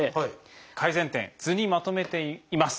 改善点図にまとめています。